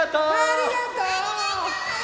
ありがとう！